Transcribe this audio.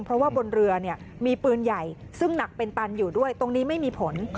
เพราะว่าบนเรือมีปืนใหญ่ซึ่งหนักเป็นตันอยู่ด้วยตรงนี้ไม่มีผล